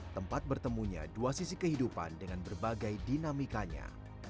tempat bertemunya dua sisi kehidupan dengan berbagai dinamikanya